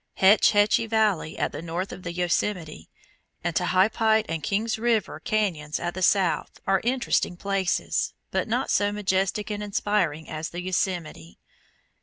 Hetch Hetchy Valley at the north of the Yosemite, and Tehipite and King's River cañons at the south, are interesting places, but not so majestic and inspiring as the Yosemite.